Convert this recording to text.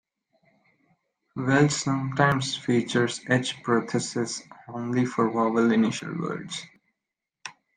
Welsh sometimes features "h-prothesis" only for vowel-initial words.